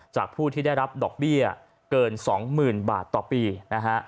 ผู้ที่ได้รับดอกเบี้ยเกิน๒๐๐๐บาทต่อปีนะฮะ